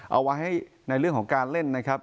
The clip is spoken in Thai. เอาไว้ให้ในเรื่องของการเล่นนะครับ